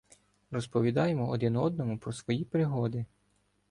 Розповідаємо один одному про свої пригоди.